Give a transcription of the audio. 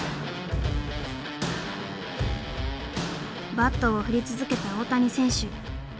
バットを振り続けた大谷選手。